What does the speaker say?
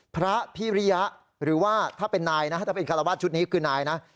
พระภิริภ์หรือว่าถ้าเป็นคารวาสชุดนี้คือนายนะ